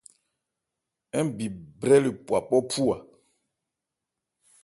Ńbi nbrɛn le pwa phɔ̂ phú.